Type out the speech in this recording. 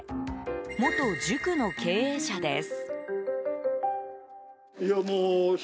元塾の経営者です。